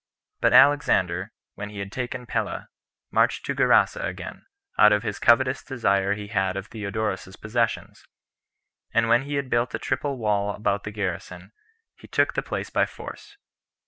But Alexander, when he had taken Pella, marched to Gerasa again, out of the covetous desire he had of Theodorus's possessions; and when he had built a triple wall about the garrison, he took the place by force.